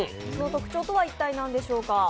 その特徴とは一体何でしょうか。